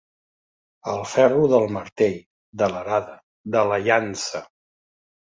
El ferro del martell, de l'arada, de la llança.